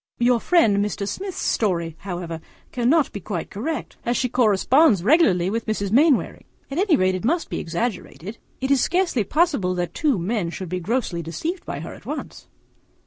Your friend Mr. Smith's story, however, cannot be quite correct, as she corresponds regularly with Mrs. Mainwaring. At any rate it must be exaggerated. It is scarcely possible that two men should be so grossly deceived by her at once.